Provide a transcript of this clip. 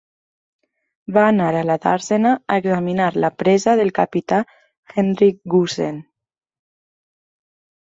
Va anar a la dàrsena a examinar la presa del capità Hendrik Goosen.